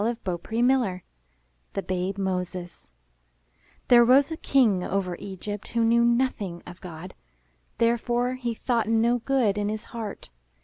418 IN THE NURSERY THE BABE MOSES There rose a King over Egypt who knew nothing of God. Therefore he thought no good in his heart.